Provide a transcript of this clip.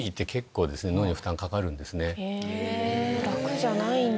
楽じゃないんだ。